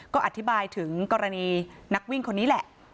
ก็อธิบายถึงกรณีนักวิ่งคนนี้แหละ